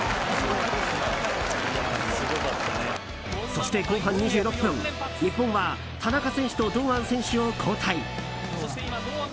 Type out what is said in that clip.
そして、後半２６分日本は田中選手と堂安選手を交代。